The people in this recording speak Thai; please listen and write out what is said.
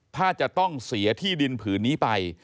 ถ้าจะต้องเสียที่ดินผืนนี้ไป